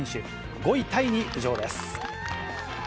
５位タイに浮上です。